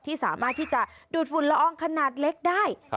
สามารถที่จะดูดฝุ่นละอองขนาดเล็กได้